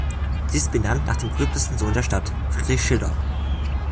Sie ist benannt nach dem berühmtesten Sohn der Stadt, Friedrich Schiller.